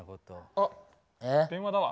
あ電話だわ。